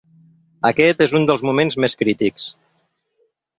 Aquest és un dels moments més crítics.